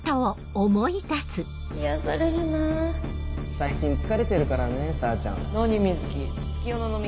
癒やされるなぁ最近疲れてるからねさーちゃん何ミズキ月夜野の味